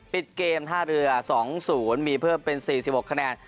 ปิดเกมท่าเรือ๒๐มีเพิ่มเป็น๔๖คะแนน